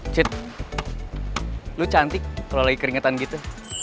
jid lo cantik kalo lagi keringetan gitu